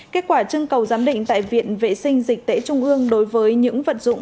kết quả trưng cầu giám định tại viện vệ sinh dịch tễ trung ương đối với những vật dụng